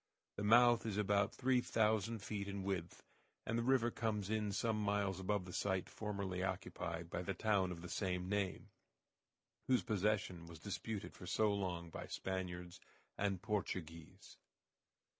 The mouth is about three thousand feet in width, and the river comes in some miles above the site formerly occupied by the town of the same name, whose possession was disputed for so long by Spaniards and Portuguese.